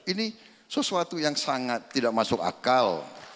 ini sesuatu yang sangat tidak masuk akal